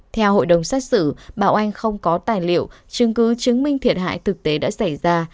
theo hội đồng xét xử bảo anh không có tài liệu chứng cứ chứng minh thiệt hại thực tế đã xảy ra